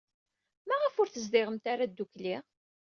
Maɣef ur tezdiɣemt ara ddukkli?